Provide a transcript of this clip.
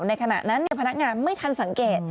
ในขณะนั้นพนักงานไม่ทันสังเกต